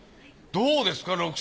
どうですか？